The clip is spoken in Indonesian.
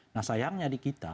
nah sayangnya di kita